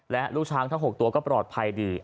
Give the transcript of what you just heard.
และลูกช้างทั้ง๖ตัวก็ปลอดภัยดี